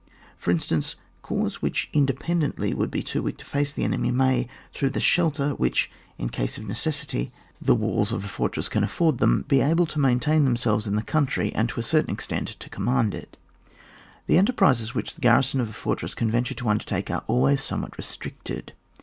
For instance, corps which independently would be too weak to face the enemy, may, through the shelter which, in case of necessity, the walls of a 100 ON WAR. [book n. fortress afiPord them, be able to maintain themselves in the country, and to a cer tain extent to command it. The enterprises which the garrison of a fortress can venture to undertake are always somewhat restricted.